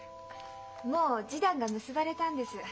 もう示談が結ばれたんです。